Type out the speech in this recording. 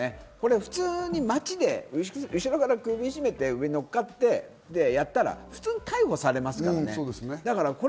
普通に街で後ろから首絞めて上に乗っかってやったら、普通、逮捕されますからね。